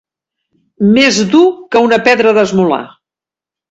Més dur que una pedra d'esmolar.